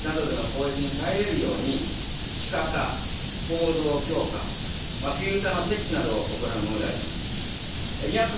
強靭化とはですね、生物化学兵器や核兵器などでの攻撃に耐えれるように、地下化、構造強化、フィルターの設置などを行うものであります。